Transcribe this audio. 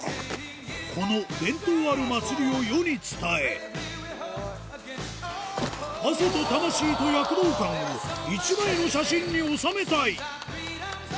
この伝統ある祭りを世に伝え、汗と魂と躍動感を、１枚の写真に収めたい。